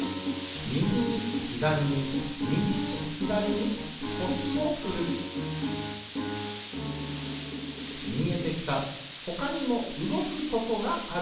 みぎにひだりにみぎにひだりにこしをふるみえてきたほかにもうごくとこがある。